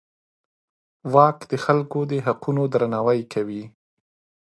واک د خلکو د حقونو درناوی کوي.